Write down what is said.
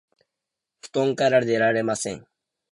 布団から出られません